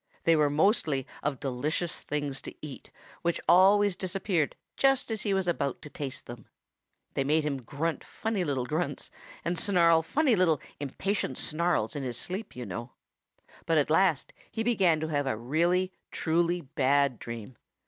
They were mostly of delicious things to eat which always disappeared just as he was about to taste them. They made him grunt funny little grunts and snarl funny little impatient snarls in his sleep, you know. But at last he began to have a really, truly, bad dream.